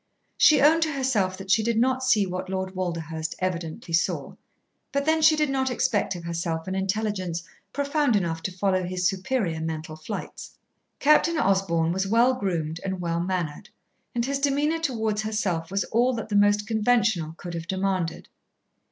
She owned to herself that she did not see what Lord Walderhurst evidently saw, but then she did not expect of herself an intelligence profound enough to follow his superior mental flights. Captain Osborn was well groomed and well mannered, and his demeanour towards herself was all that the most conventional could have demanded.